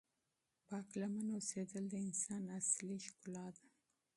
پاک لمن اوسېدل د انسان اصلی ښکلا ده.